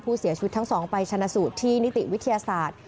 ผู้เสียชีวิตทั้งสองไปชนะสูตรที่นิติวิทยาศาสตร์